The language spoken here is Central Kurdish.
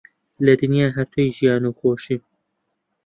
لە دنیا هەر تۆی ژیان و خۆشیم